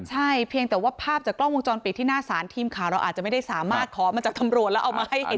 ใช่เพียงแต่ว่าภาพจากกล้องวงจรปิดที่หน้าศาลทีมข่าวเราอาจจะไม่ได้สามารถขอมาจากตำรวจแล้วเอามาให้เห็น